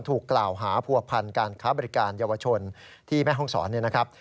ถูกกล่าวหาผัวพันธ์การค้าบริการเยาวชนที่แม่ห้องศรเนี่ยนะครับ